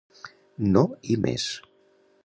No i més.